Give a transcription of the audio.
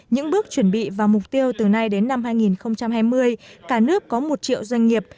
những bước chuẩn bị và mục tiêu từ nay đến năm hai nghìn hai mươi cả nước có một triệu doanh nghiệp